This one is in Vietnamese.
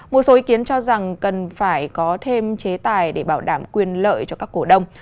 một số ý kiến cho rằng cần phải có thêm chế tài để bảo đảm quyền lợi cho các cổ đông